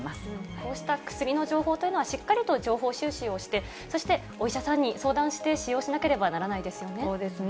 こうした薬の情報というのは、しっかりと情報収集をして、そして、お医者さんに相談して使用しなければならないですよね。